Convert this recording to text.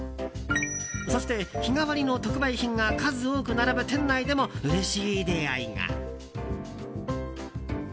そして、日替わりの特売品が数多く並ぶ店内でもうれしい出会いが。